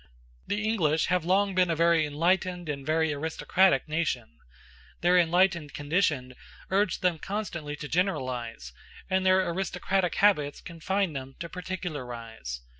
The English have long been a very enlightened and a very aristocratic nation; their enlightened condition urged them constantly to generalize, and their aristocratic habits confined them to particularize.